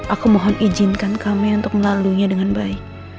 aku mohon izinkan kami untuk melaluinya dengan baik